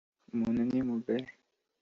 Umuntu nimugari.